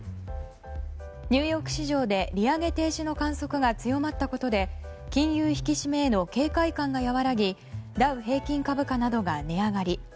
ニューヨーク市場で利上げ停止の観測が強まったことで金融引き締めへの警戒感が和らぎダウ平均株価などが値上がり。